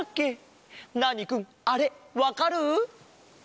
ナーニくんあれわかる？